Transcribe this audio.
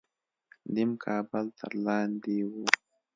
نیم کابل تر لاندې و.